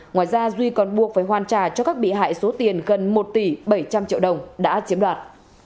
ngoài ra duy còn buộc phải hoàn trả cho các bị hại số tiền gần một tỷ bảy trăm linh triệu đồng đã chiếm đoạt